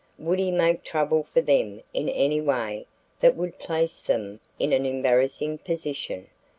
Would he make trouble for them in any way that would place them in an embarrassing position?